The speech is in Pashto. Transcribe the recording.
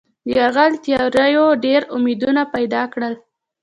د یرغل تیاریو ډېر امیدونه پیدا کړل.